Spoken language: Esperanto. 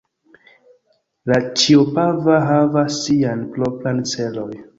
La Ĉiopova havas Sian propran celoj.